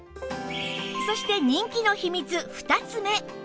そして人気の秘密２つ目